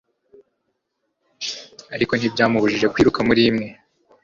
ariko ntibyamubujije kwiruka muri imwe .